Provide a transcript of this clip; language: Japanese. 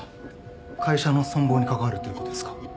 会社の存亡に関わるということですか？